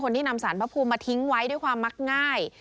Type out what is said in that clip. ที่นำสารพระภูมิมาทิ้งไว้ด้วยความมักง่าย